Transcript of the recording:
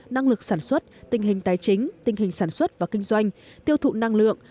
năng lực sản xuất tình hình tài chính tình hình sản xuất và kinh doanh tiêu thụ năng lượng